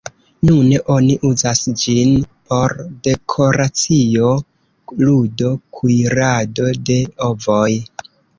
Nune oni uzas ĝin por dekoracio, ludo, kuirado de ovoj.